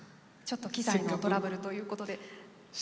機材のトラブルということで。